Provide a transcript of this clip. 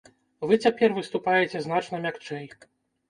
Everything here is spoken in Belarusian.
Вы цяпер выступаеце значна мякчэй.